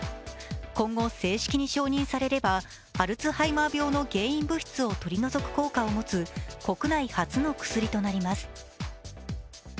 今後、正式に承認されれば、アルツハイマー病の原因物質を取り除く効果を持つ国内初の薬となります。